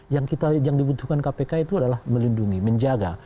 yang dibutuhkan kpk itu adalah melindungi menjaga